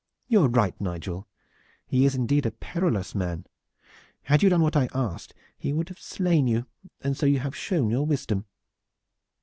You are right, Nigel. He is indeed a perilous man. Had you done what I asked he would have slain you, and so you have shown your wisdom."